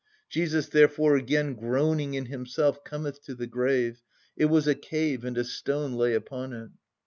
"Jesus therefore again groaning in Himself cometh to the grave. It was a cave, and a stone lay upon it.